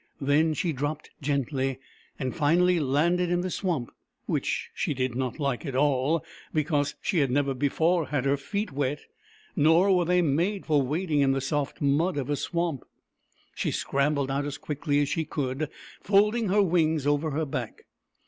Then she dropped gently, and finally landed in the swamp, which she did not like at all, because she had never before had her feet wet, nor were they made for wading in the soft mud of a swamp. She scrambled out as quickly as she could, folding her wings over her back.